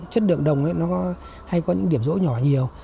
chất đường đồng hay có những điểm rỗ nhỏ nhiều